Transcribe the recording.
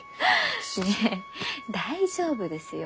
ねえ大丈夫ですよ。